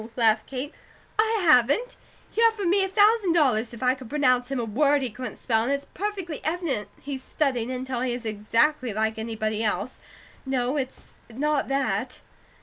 laughed Kate, "I haven't! He offered me a thousand dollars if I could pronounce him a word he couldn't spell; and it's perfectly evident he's studied until he is exactly like anybody else. No, it's not that!"